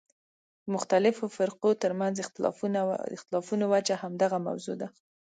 د مختلفو فرقو ترمنځ اختلافونو وجه همدغه موضوع ده.